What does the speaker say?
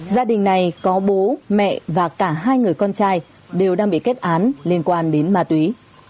gia đình này có bố mẹ và cả hai người con trai đều đang bị kết án liên quan đến ma túy